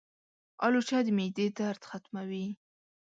الوچه د معدې درد ختموي.